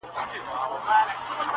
دې د ابوجهل له اعلان سره به څه کوو -